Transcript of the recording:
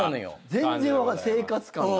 全然分かんない生活感が。